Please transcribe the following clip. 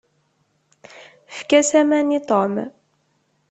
Efk-as aman i Tom.